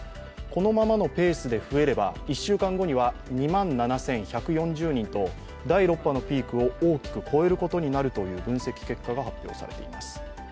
このままのペースで増えれば１週間後には２万７１４０人と第６波のピークを大きく超えることになるという分析結果が発表されています。